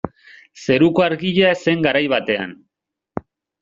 Zeruko Argia zen garai batean.